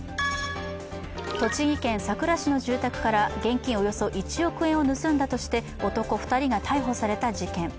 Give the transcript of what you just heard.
栃木県さくら市の住宅から現金およそ１億円を盗んだとして男２人が逮捕された事件。